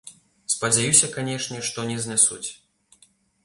Спадзяюся, канешне, што не знясуць.